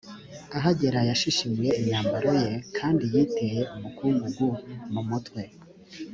ahagera yashishimuye imyambaro ye kandi yiteye umukungugu mu mutwe